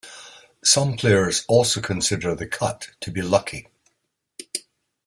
Some players also consider the cut to be lucky.